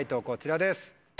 こちらです。